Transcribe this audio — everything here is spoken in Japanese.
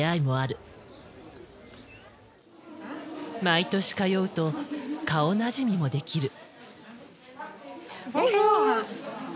毎年通うと顔なじみもできる。